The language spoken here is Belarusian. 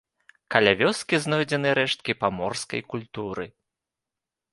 Каля вёскі знойдзены рэшткі паморскай культуры.